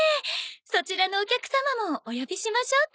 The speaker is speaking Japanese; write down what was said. そちらのお客様もお呼びしましょうか？